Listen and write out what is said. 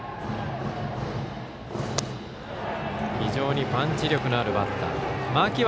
非常にパンチ力のあるバッター。